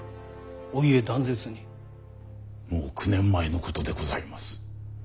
もう９年前のことでございます。